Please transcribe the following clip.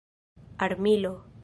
armilo